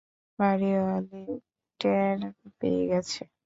বাড়িওয়ালি ট্যার পেয়ে গেছে।